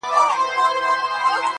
يو بل هلک چوپ پاتې کيږي,